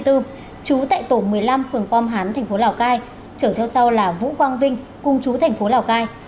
trú tại tổ một mươi năm phường quang hán thành phố lào cai chở theo sau là vũ quang vinh cung trú thành phố lào cai